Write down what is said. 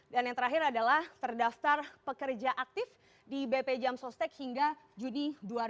dan yang terakhir adalah terdaftar pekerja aktif di bp jam sostek hingga juni dua ribu dua puluh